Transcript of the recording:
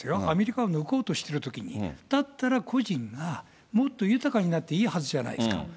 アメリカを抜こうとしているときに、だったら個人がもっと豊かになっていいはずじゃないですか。